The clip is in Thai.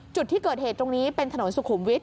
จุดที่เกิดเหตุตรงนี้เป็นถนนสุขุมวิทย